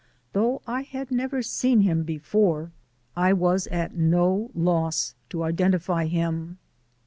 Though I had never seen him before, I was at no loss to identify him.